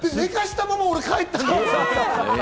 俺寝かしたまま帰ったんだよ。